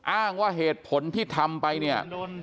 อ้างว่าเหตุผลที่ทำไปเนี่ย